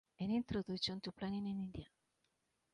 An Introduction to Planning in India.